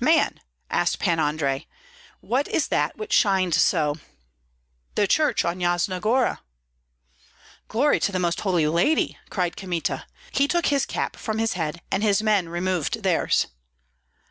"Man," asked Pan Andrei, "what is that which shines so?" "The church on Yasna Gora." "Glory to the Most Holy Lady!" cried Kmita. He took his cap from his head, and his men removed theirs.